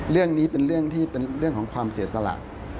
เรื่องนี้เป็นเรื่องที่เป็นเรื่องของความเสียสละ